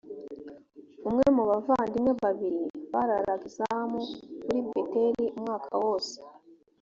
umwe mu bavandimwe babiri bararaga izamu kuri beteli umwaka wose